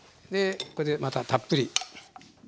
でこれでまたたっぷり。